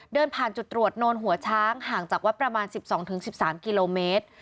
เดินผ่านจุดตรวจโนนหัวช้างห่างจากวัดประมาณ๑๒๑๓กิโลเมตร